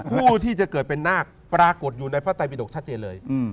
ผู้ที่จะเกิดเป็นนาคปรากฏอยู่ในพระไตบิดกชัดเจนเลย